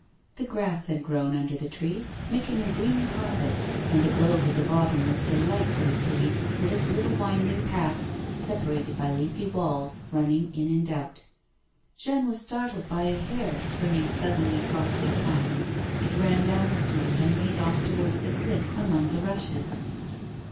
The grass had grown under the trees, making a green cai'pet, and the grove at the bottom was delightfully pretty with its little winding paths, separ ated by leafy walls, running in and out. 20 A WOMAN'S LIFE. Jeanne was startled by a hare springing suddenly across their path ; it ran down the slope and made off towards the cliff, among the rushes.